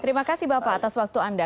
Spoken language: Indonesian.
terima kasih bapak atas waktu anda